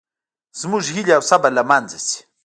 زموږ هیلې او صبر له منځه ځي